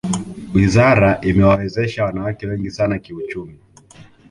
wizara imewawezesha wanawake wengi sana kiuchumi